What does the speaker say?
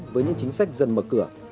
với những chính sách dần mở cửa